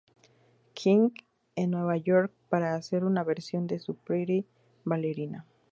King en Nueva York para hacer una versión de su "Pretty Ballerina.